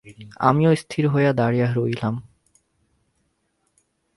আমিও স্থির হইয়া দাঁড়াইয়া রহিলাম।